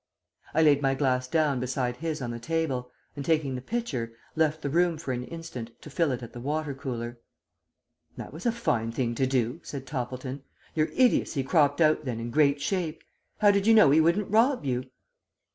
"I laid my glass down beside his on the table, and, taking the pitcher, left the room for an instant to fill it at the water cooler." "That was a fine thing to do," said Toppleton. "Your idiocy cropped out then in great shape. How did you know he wouldn't rob you?"